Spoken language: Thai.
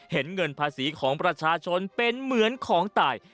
เห็นเงินภาษีของประชาชนเป็นเหมือนของตาย